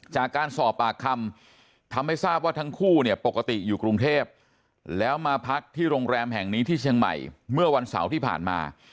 จากการสอบปากคำทำให้ทราบว่าทั้งคู่เนี่ยปกติอยู่กรุงเทพแล้วมาพักที่โรงแรมแห่งนี้ที่เชียงใหม่เมื่อวันเสาร์ที่ผ่านมา